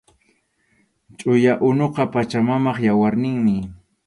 Chʼuya unuqa Pachamamap yawarninmi